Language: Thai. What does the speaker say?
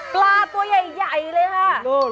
ปลาตัวใหญ่เลยค่ะ